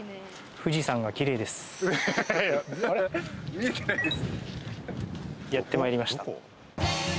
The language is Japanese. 見えてないです。